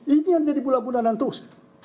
ini yang jadi bulan bulanan terus